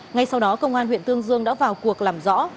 ngay sau đó công an huyện tương dương đã vào cuộc làm rõ